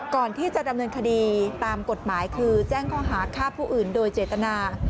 ก่อนที่จะดำเนินคดีตามกฎหมายคือแจ้งข้อหาฆ่าผู้อื่นโดยเจตนา